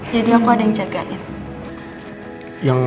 jadi aku ada yang jagain